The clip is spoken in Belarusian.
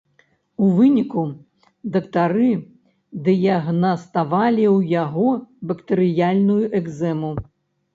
У выніку дактары дыягнаставалі ў яго бактэрыяльную экзэму.